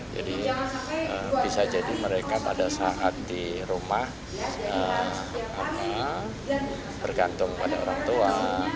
jadi bisa jadi mereka pada saat di rumah bergantung pada orang tua